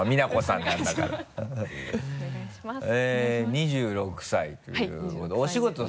２６歳ということ。